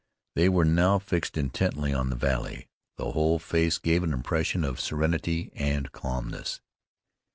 They were now fixed intently on the valley. The whole face gave an impression of serenity, of calmness.